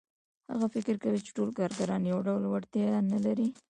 هغه فکر کوي چې ټول کارګران یو ډول وړتیاوې نه لري